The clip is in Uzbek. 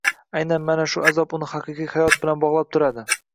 aynan mana shu azob uni haqiqiy hayot bilan bog‘lab turadi.